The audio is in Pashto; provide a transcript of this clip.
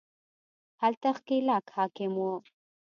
هلته ښکېلاک حاکم وو